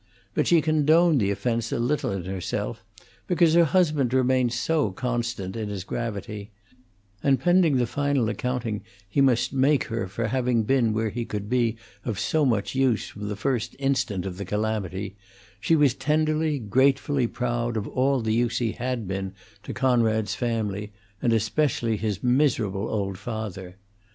But she condoned the offence a little in herself, because her husband remained so constant in his gravity; and, pending the final accounting he must make her for having been where he could be of so much use from the first instant of the calamity, she was tenderly, gratefully proud of all the use he had been to Conrad's family, and especially his miserable old father.